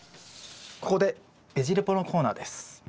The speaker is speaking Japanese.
ここでベジ・レポのコーナーです。